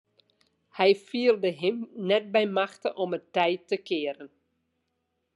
Hy fielde him net by machte om it tij te kearen.